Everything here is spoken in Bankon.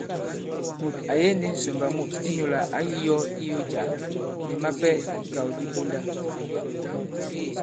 Mùt à yege ndī ŋsòmbà mût inyūlà ǎ yī yō iyo jǎ, nì mapɛ ìkàw di ponda.